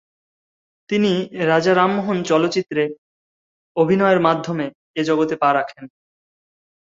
তিনি "রাজা রামমোহন" চলচ্চিত্রে অভিনয়ের মাধ্যমে এই জগতে পা রাখেন।